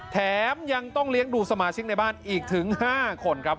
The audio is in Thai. แถมยังต้องเลี้ยงดูสมาชิกในบ้านอีกถึง๕คนครับ